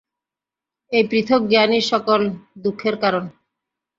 এই পৃথক জ্ঞানই সকল দুঃখের কারণ।